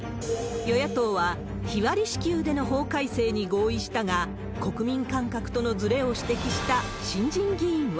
与野党は日割り支給での法改正に合意したが、国民感覚とのずれを指摘した新人議員は。